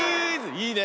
いいね。